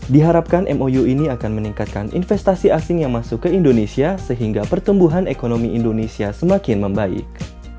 diharapkan mou ini akan meningkatkan investasi asing yang masuk ke indonesia sehingga pertumbuhan ekonomi indonesia semakin membaik